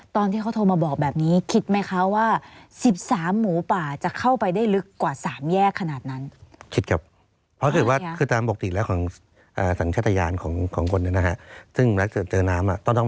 ตอนที่เขาโทรมาบอกแบบนี้คิดไหมคะว่า๑๓หมูป่าจะเข้าไปได้ลึกกว่า๓แยกขนาดนั้น